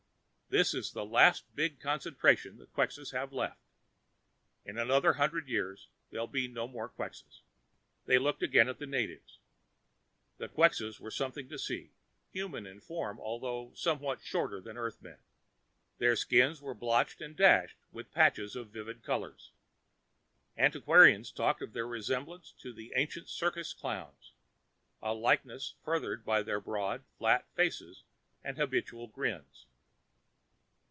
"This is the last big concentration the Quxas have left. In another hundred years, there'll be no more Quxas." They looked again at the natives. The Quxas were something to see human in form, although somewhat shorter than Earthmen; their skins were blotched and dashed with patches of vivid colors. Antiquarians talked of their resemblance to the ancient circus clowns, a likeness furthered by their broad, flat faces and habitual grins.